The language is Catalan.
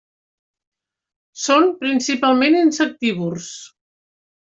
Són principalment insectívors.